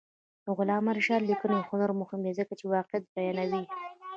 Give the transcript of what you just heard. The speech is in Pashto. د علامه رشاد لیکنی هنر مهم دی ځکه چې واقعیت بیانوي.